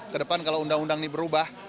ke depan kalau undang undang ini berubah